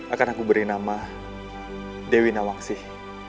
akan aku beri nama dewi nawang sih